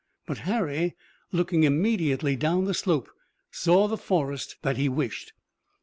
But Harry looking immediately down the slope, saw the forest that he wished.